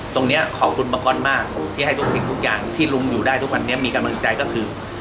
ตรงนี้ขอบคุณมากก้อนมากที่ให้ทุกสิ่งทุกอย่างที่ลุงอยู่ได้ทุกวันนี้มีกำลังใจก็คือ